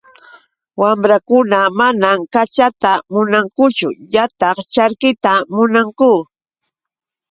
Wamrakuna manam kachata munankuchu ñataq charkita munanku.